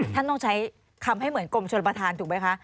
ท่านต้องใช้คำให้เหมือนกรมชนประธานถูกไหมคะ